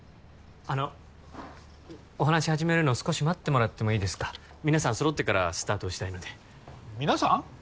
あのお話始めるの少し待ってもらってもいいですか皆さん揃ってからスタートしたいので皆さん？